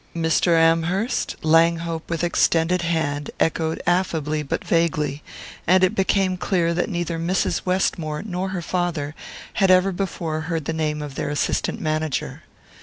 "Mr. Amherst?" Langhope, with extended hand, echoed affably but vaguely; and it became clear that neither Mrs. Westmore nor her father had ever before heard the name of their assistant manager.